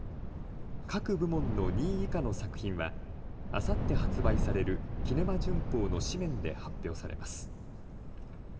各部門の２位以下の作品はあさって発売されるキネマ旬報の誌面で発表されます。